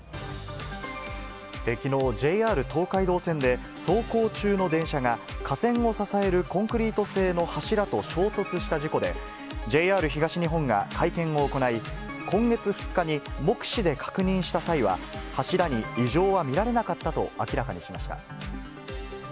きのう、ＪＲ東海道線で、走行中の電車が架線を支えるコンクリート製の柱と衝突した事故で、ＪＲ東日本が会見を行い、今月２日に目視で確認した際は柱に異常は見られなかったと明らかにしました。